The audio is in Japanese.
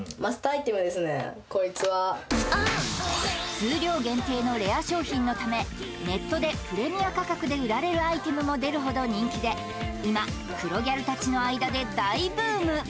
コイツは数量限定のレア商品のためネットでプレミア価格で売られるアイテムも出るほど人気で今黒ギャルたちの間で大ブーム